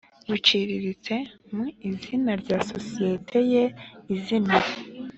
buciririritse mu izina rya sosiyete ye izina